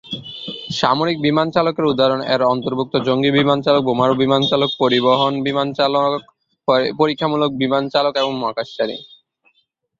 সামরিক বিমান চালকের উদাহরণ এর অন্তর্ভুক্ত জঙ্গী বিমান চালক, বোমারু বিমান চালক, পরিবহন বিমান চালক, পরীক্ষামূলক বিমান চালক এবং মহাকাশচারী।